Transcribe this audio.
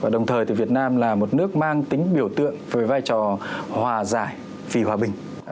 đồng thời thì việt nam là một nước mang tính biểu tượng với vai trò hòa giải vì hòa bình